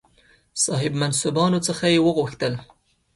صاحب منصبانو څخه یې وغوښتل.